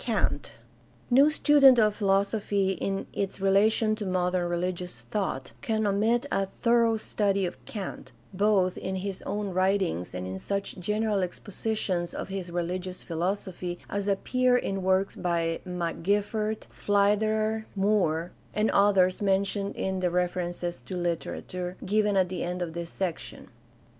Kant. — No student of philosophy in its relation to modern religious thought can omit a thorough study of Kant, both in THE DEVELOPMENT OF MODERN CHRISTIANITY 455 his own writings and in such general expositions of his rehgious philosophy as appear in works by McGiffert, Pfleiderer, Moore, and others mentioned in the references to literature given at the end of this section.